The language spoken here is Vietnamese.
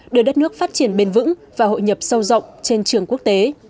đưa đất nước phát triển bền vững và hội nhập sâu rộng trên trường quốc tế